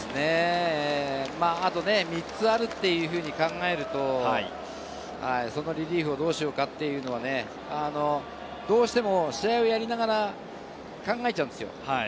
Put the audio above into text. あと３つあると考えると、そのリリーフをどうしようかというのはどうしても試合をやりながら、考えちゃうんですよ。